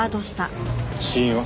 死因は？